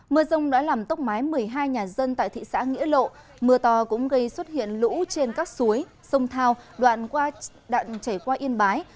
mưa rông đã làm tốc mái một mươi hai nhà dân tại thị xã nghĩa lộ mưa to cũng gây xuất hiện lũ trên các suối sông thao đoạn chảy qua yên bái